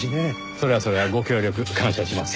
それはそれはご協力感謝します。